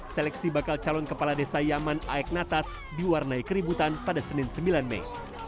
seleksi bakal calon kepala desa yaman aek natas diwarnai keributan pada senin sembilan mei